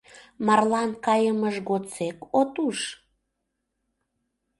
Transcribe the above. Марлан кайымыж годсек от уж?